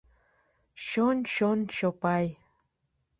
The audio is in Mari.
«чон-чон-Чопай...»